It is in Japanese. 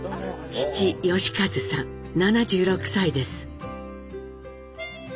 父・喜一さん７６歳です。